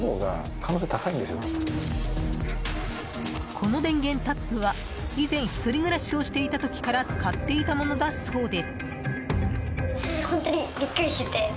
この電源タップは以前１人暮らしをしていた時から使っていたものだそうで。